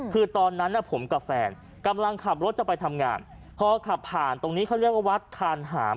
คือตอนนั้นผมกับแฟนกำลังขับรถจะไปทำงานพอขับผ่านตรงนี้เขาเรียกว่าวัดคานหาม